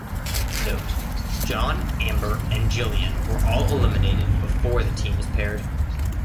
Note: John, Amber and Jillian were all eliminated before the teams paired.